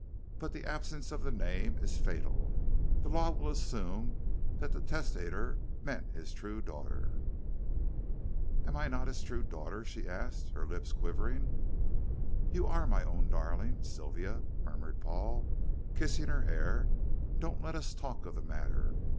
But the absence of the name is fatal. The law will assume that the testator meant his true daughter." "And am I not his true daughter?" she asked, her lips quivering. "You are my own darling, Sylvia," murmured Paul, kissing her hair; "don't let us talk of the matter.